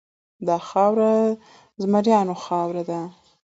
دا خاوره د زمریانو خاوره ده.